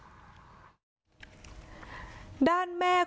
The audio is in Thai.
ลูกน่ะจะดีจะช่วยมันไง